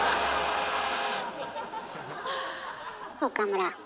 岡村。